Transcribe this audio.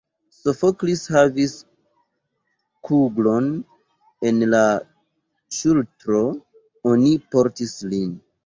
Sofoklis havis kuglon en la ŝultro: oni portis lin.